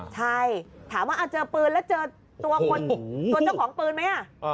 ใช่ถามว่าเจอปืนแล้วเจอตัวเจ้าของปืนไหม